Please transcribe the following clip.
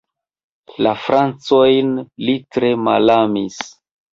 La francojn li tre malamis.